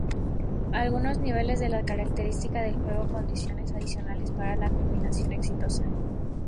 Algunos niveles de la característica del juego condiciones adicionales para la culminación exitosa.